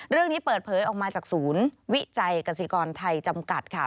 เรื่องนี้เปิดเผยออกมาจากศูนย์วิจัยกษิกรไทยจำกัดค่ะ